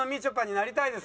なりたいです！